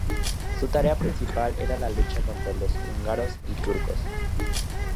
Su tarea principal era la lucha contra los húngaros y turcos.